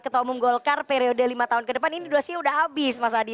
ketua umum golkar periode lima tahun ke depan ini durasinya sudah habis mas adi